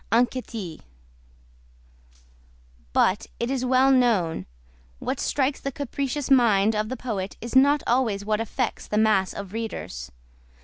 Anquetil. But, it is well known, what strikes the capricious mind of the poet is not always what affects the mass of readers.